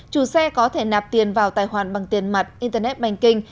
chủ xe có thể nạp tiền vào tài hoàn bằng tiền mặt internet bành kinh